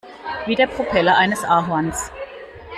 Wie der Propeller eines Ahorns.